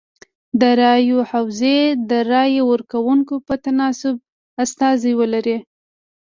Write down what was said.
د رایو حوزې د رای ورکوونکو په تناسب استازي ولري.